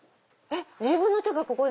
自分の手がここに。